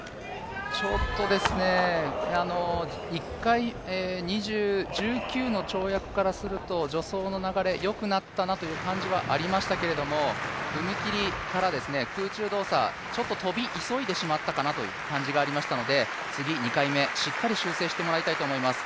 ちょっと１回、１９の跳躍からすると助走の流れ、よくなったなという感じがありましたけど踏み切りから空中動作、ちょっと跳び急いでしまったかなという感じがありましたので次、２回目、しっかり修正してもらいたいと思います。